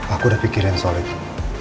aku udah pikirin soal itu